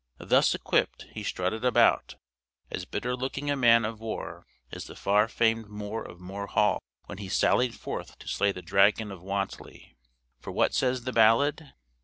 Thus equipped, he strutted about, as bitter looking a man of war as the far famed More, of More Hall, when he sallied forth to slay the Dragon of Wantley. For what says the ballad?